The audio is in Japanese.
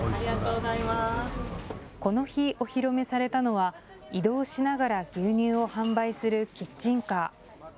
この日、お披露目されたのは移動しながら牛乳を販売するキッチンカー。